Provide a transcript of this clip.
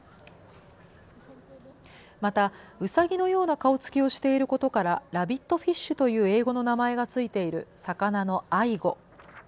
また、うさぎのような顔つきをしていることから、ラビットフィッシュという英語の名前が付いている魚のアイゴ。